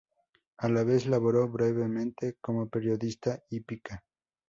A la vez, laboró brevemente como periodista hípica.